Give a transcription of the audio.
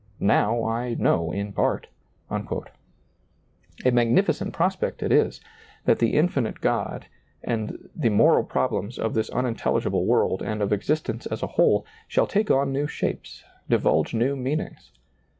Now I know in part" A mag nificent prospect it is, that the infinite God and the moral problems of this unintelligible world and of existence as a whole, shall take on new shapes, divulge new meanings.